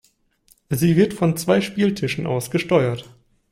Sie wird von zwei Spieltischen aus gesteuert.